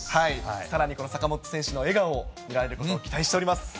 さらにその坂本選手の笑顔を見られることを期待しております。